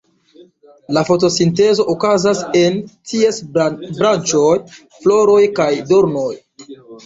La fotosintezo okazas en ties branĉoj, floroj kaj dornoj.